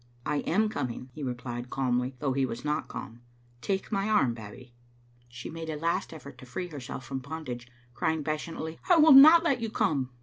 "I am coming," he replied, calmly, though he was not calm. " Take my arm, Babbie." She made a last effort to free herself from bondage, crying passionately, " I will not let you come."